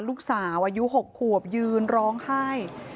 ลูกสาวอายุ๖ขวบยืนร้องไห้